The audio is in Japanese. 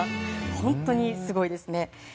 本当にすごいですね。